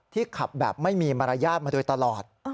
ขับแบบไม่มีมารยาทมาโดยตลอด